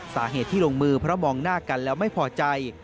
สาเหตุที่ลงมือเพราะมองหน้ากันแล้วไม่พอใจ